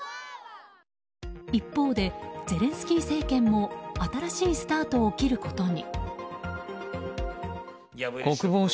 一方で、ゼレンスキー政権も新しいスタートを切ることに。